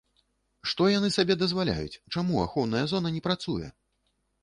Што яны сабе дазваляюць, чаму ахоўная зона не працуе?